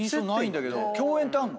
共演ってあんの？